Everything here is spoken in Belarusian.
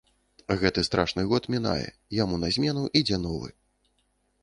Гэты страшны год мінае, яму на змену ідзе новы.